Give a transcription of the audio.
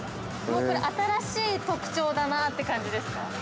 ◆新しい特徴だなって感じですか。